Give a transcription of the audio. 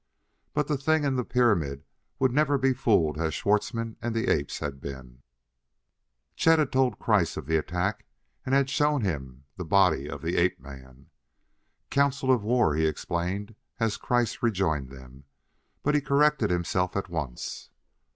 But that thing in the pyramid would never be fooled as Schwartzmann and the apes had been. Chet had told Kreiss of the attack and had shown him the body of the ape man. "Council of war," he explained as Kreiss rejoined them, but he corrected himself at once.